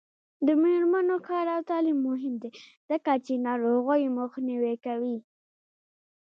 د میرمنو کار او تعلیم مهم دی ځکه چې ناروغیو مخنیوی کوي.